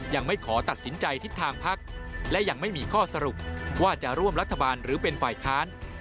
ยังไม่ขอตัดสินใจทิศทางพักและยังไม่มีข้อสรุปว่าจะร่วมรัฐบาลหรือเป็นฝ่ายค้าน